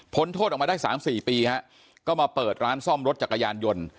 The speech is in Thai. โทษออกมาได้๓๔ปีฮะก็มาเปิดร้านซ่อมรถจักรยานยนต์